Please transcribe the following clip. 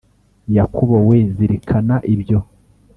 Yakobo we zirikana ibyo